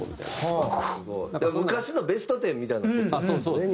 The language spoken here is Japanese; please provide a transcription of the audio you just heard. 昔の『ベストテン』みたいな事ですよね